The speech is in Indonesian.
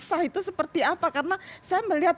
sah itu seperti apa karena saya melihat